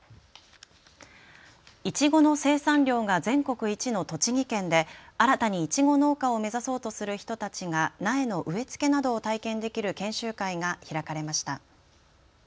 いちごの生産量が全国一の栃木県で新たにいちご農家を目指そうとする人たちが苗の植え付けなどを体験できる研修会が開かれました。